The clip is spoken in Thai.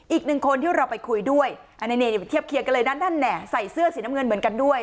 อีกหนึ่งคนที่เราไปคุยด้วยอันนี้ไปเทียบเคียงกันเลยนะนั่นใส่เสื้อสีน้ำเงินเหมือนกันด้วย